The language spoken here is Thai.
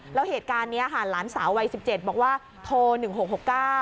แล้วเหตุการณ์นี้หารหลานสาววัย๑๗บอกว่าโทร๑๖๖๙